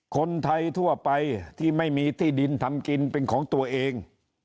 คนไทยทั่วไปที่ไม่มีที่ดินทำกินเป็นของตัวเอง